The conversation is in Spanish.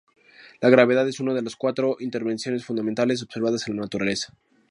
La gravedad es una de las cuatro interacciones fundamentales observadas en la naturaleza.